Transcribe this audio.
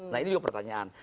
nah ini juga pertanyaan